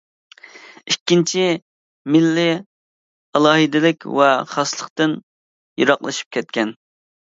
ئىككىنچى، مىللىي ئالاھىدىلىك ۋە خاسلىقتىن يىراقلىشىپ كەتكەن.